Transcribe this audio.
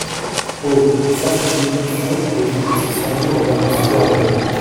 Oh ! ça, c’est une locution… dont on peut se servir envers un supérieur…